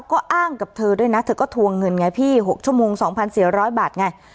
ก็อ้างกับเธอด้วยนะเธอก็ทวงเงินไงพี่หกชั่วโมงสองพันเสียร้อยบาทไง